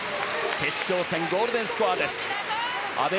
決勝戦、ゴールデンスコアです。